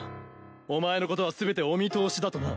お前のことは全てお見通しだとな。